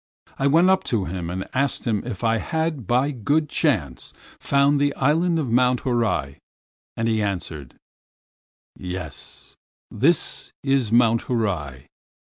I went up to him and asked him if I had, by good chance, found the island of Mount Horai, and he answered:" "'Yes, this is Mount Horai!